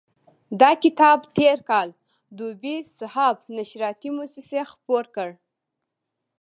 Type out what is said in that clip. دا کتاب تېر کال دوبی صحاف نشراتي موسسې خپور کړ.